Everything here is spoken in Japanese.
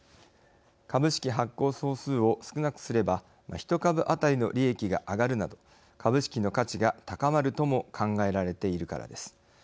株式発行総数を少なくすれば一株あたりの利益が上がるなど株式の価値が高まるとも考えられているからです。